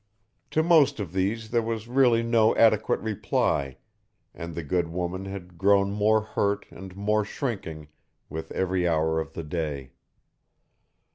To most of these there was really no adequate reply, and the good woman had grown more hurt and more shrinking with every hour of the day.